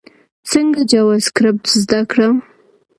څنګه جاواسکريپټ زده کړم؟